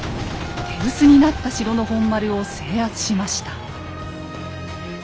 手薄になった城の本丸を制圧しました。